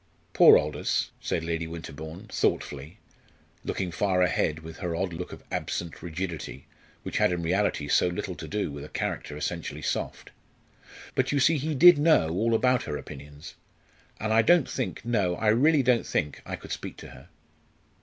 "Poor Aldous!" said Lady Winterbourne, thoughtfully, looking far ahead with her odd look of absent rigidity, which had in reality so little to do with a character essentially soft; "but you see he did know all about her opinions. And I don't think no, I really don't think I could speak to her."